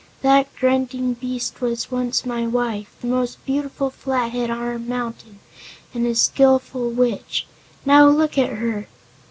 That grunting beast was once my wife the most beautiful Flathead on our mountain and a skillful witch. Now look at her!"